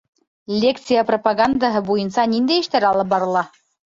Лекция пропагандаһы буйынса ниндәй эштәр алып барыла?